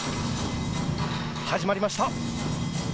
始まりました。